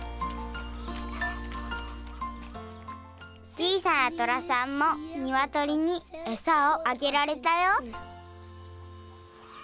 ちいさなトラさんもにわとりにえさをあげられたよ。